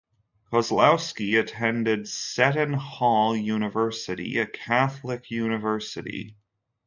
Kozlowski attended Seton Hall University, a Catholic university.